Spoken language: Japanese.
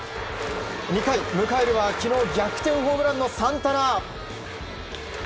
２回、迎えるは昨日逆転ホームランのサンタナ。